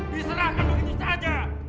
diserahkan begitu saja